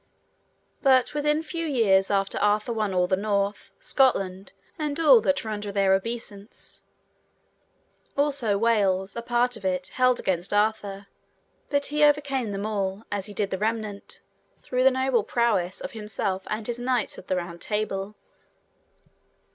But within few years after Arthur won all the north, Scotland, and all that were under their obeissance. Also Wales, a part of it, held against Arthur, but he overcame them all, as he did the remnant, through the noble prowess of himself and his knights of the Round Table.